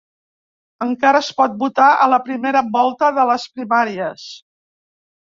Encara es pot votar a la primera volta de les primàries